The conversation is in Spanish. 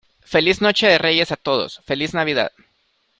feliz noche de Reyes a todos. feliz Navidad .